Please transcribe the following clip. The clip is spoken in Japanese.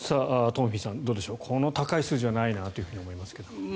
トンフィさんどうでしょうこの高い数字はないなと思いますけど。